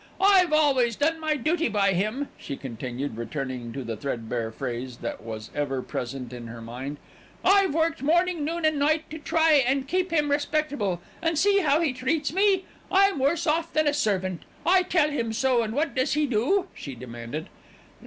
"I've always done my duty by him," she continued, returning to the threadbare phrase that was ever present in her mind. "I've worked morning, noon and night to try and keep him respectable, and see how he treats me. I'm worse off than a servant, I tell him so and what does he do?" she demanded.